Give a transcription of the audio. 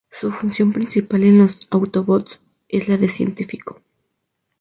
Su función principal en los Autobots es la de científico.